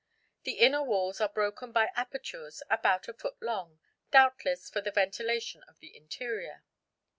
The inner walls are broken by apertures about a foot long, doubtless for the ventilation of the interior.